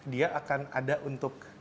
dia akan ada untuk